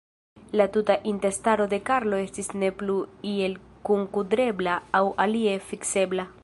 La tuta intestaro de Karlo estis ne plu iel kunkudrebla aŭ alie fiksebla.